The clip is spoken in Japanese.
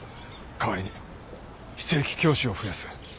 代わりに非正規教師を増やす。